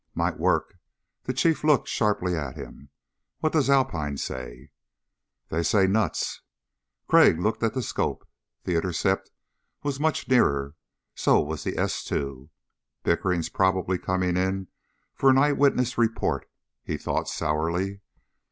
"Might work." The Chief looked sharply at him. "What does Alpine say?" "They say nuts." Crag looked at the scope. The intercept was much nearer. So was the S two. Pickering's probably coming in for an eye witness report, he thought sourly.